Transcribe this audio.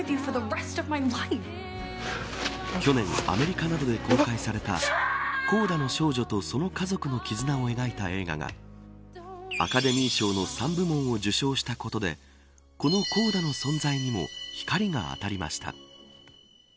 去年、アメリカなどで公開されたＣＯＤＡの少女とその家族の絆を描いた映画がアカデミー賞の３部門を受賞したことでこのＣＯＤＡの存在にも光が当たりました。